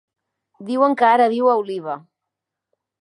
Diuen que ara viu a Oliva.